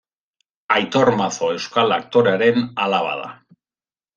Aitor Mazo euskal aktorearen alaba da.